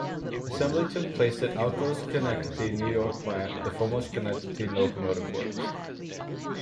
Assembly took place at Alco's Schenectady, New York, plant, the former Schenectady Locomotive Works.